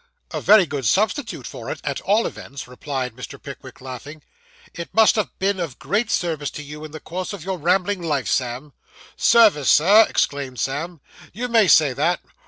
'A very good substitute for it, at all events,' replied Mr. Pickwick, laughing. 'It must have been of great service to you, in the course of your rambling life, Sam.' 'Service, sir,' exclaimed Sam. 'You may say that.